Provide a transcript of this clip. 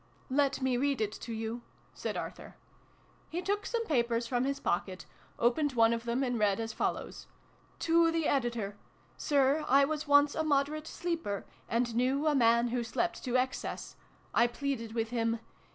" Let me read it to you," said Arthur. He took some papers from his pocket, opened one of them, and read as follows. To the Editor. Sir, I was once a moderate sleeper, and knew a man who slept to excess. I pleaded with him.